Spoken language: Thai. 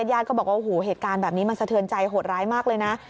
ญาติก็บอกว่าโอ้โหเหตุการณ์แบบนี้มันสะเทือนใจโหดร้ายมากเลยนะ